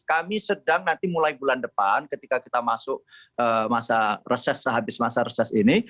kami sedang nanti mulai bulan depan ketika kita masuk masa reses sehabis masa reses ini